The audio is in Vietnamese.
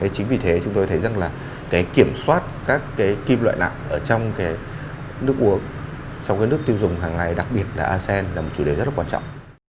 chính vì thế chúng tôi thấy rằng là kiểm soát các kim loại nặng trong nước tiêu dùng hàng ngày đặc biệt là asean là một chủ đề rất là quan trọng